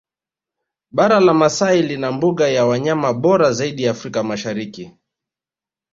Bara la Maasai lina mbuga ya wanyama bora zaidi Afrika Mashariki